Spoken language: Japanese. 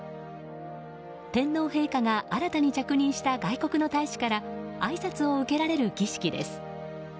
天皇陛下が新たに着任した外国の大使からあいさつを受けられる儀式です。